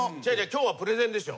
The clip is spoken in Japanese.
今日はプレゼンでしょ。